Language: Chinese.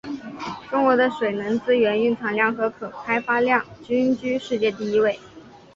中国的水能资源蕴藏量和可开发量均居世界第一位。